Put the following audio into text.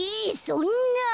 そんな。